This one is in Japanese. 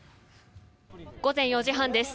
午前４時半です。